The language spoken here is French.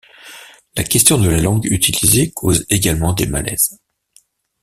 La question de la langue utilisée cause également des malaises.